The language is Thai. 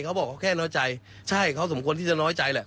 เขาบอกเขาแค่น้อยใจใช่เขาสมควรที่จะน้อยใจแหละ